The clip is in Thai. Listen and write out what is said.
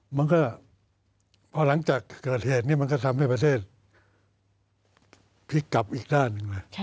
มันก็พอหลังจากเกิดเหตุนี้มันก็ทำให้ประเทศพลิกกลับอีกด้านหนึ่งเลย